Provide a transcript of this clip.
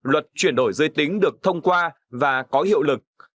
luật chuyển đổi giới tính được thông qua và có hiệu lực